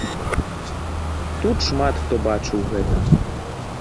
Тут шмат хто бачыў гэта.